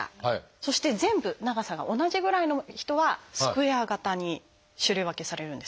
そして全部長さが同じぐらいの人は「スクエア型」に種類分けされるんですね。